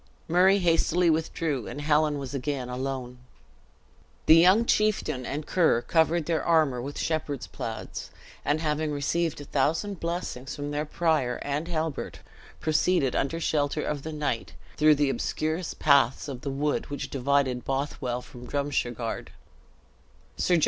Murray hastily withdrew, and Helen was again alone. The young chieftain and Ker covered their armor with shepherd's plaids; and having received a thousand blessings from the prior and Halbert, proceeded under shelter of the night, through the obscurest paths of the wood which divided Bothwell from Drumshargard.